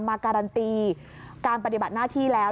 การันตีการปฏิบัติหน้าที่แล้ว